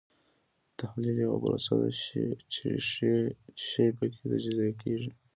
تحلیل یوه پروسه ده چې شی پکې تجزیه کیږي.